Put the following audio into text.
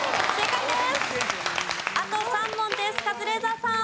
正解です。